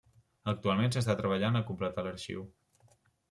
Actualment s'està treballant a completar l'arxiu.